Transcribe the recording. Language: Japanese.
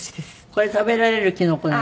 これ食べられるキノコなの？